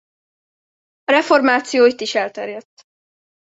A reformáció itt is elterjedt.